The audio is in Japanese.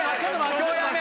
今日やめ！